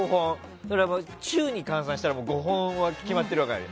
週に換算したら５本は決まってるわけじゃない。